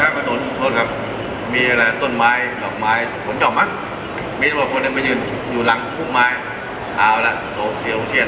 ประโยชน์ไม่ยืนอยู่หลังกัน